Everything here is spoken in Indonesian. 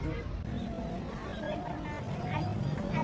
itu ya malah ada